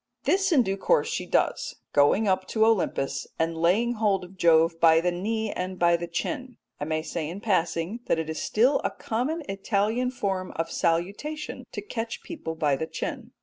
This in due course she does, going up to Olympus and laying hold of Jove by the knee and by the chin. I may say in passing that it is still a common Italian form of salutation to catch people by the chin.